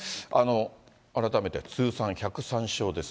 改めて、通算１０３勝です。